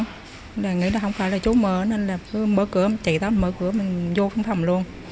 nên là nghĩ là không phải là chú mở nên là cứ mở cửa chạy tới mở cửa mình vô phòng luôn